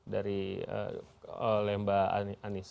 dari lemba anies